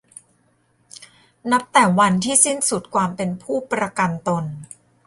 นับแต่วันที่สิ้นสุดความเป็นผู้ประกันตน